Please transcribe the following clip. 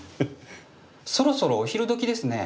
そろそろお昼どきですね。